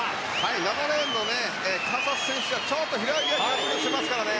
７レーンのカサス選手がちょっと平泳ぎは苦手としてますからね。